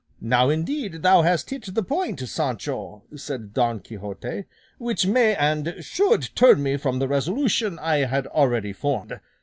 "Now indeed thou hast hit the point, Sancho," said Don Quixote, "which may and should turn me from the resolution I had already formed.